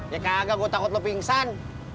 ya kagak gue takut lo pingsan